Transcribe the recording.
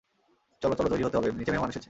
চল চল তৈরি হতে হবে, নিচে মেহমান এসেছে।